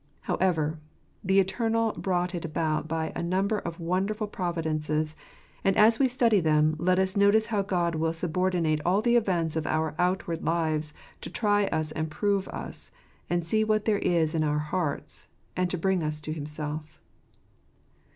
How ever, the Eternal brought it about by a number of wonderful providences ; and as we study them, let us notice how God will subordinate all the events of our outward lives to try us and prove us, and see what there is in our hearts, and to bring us to Himself.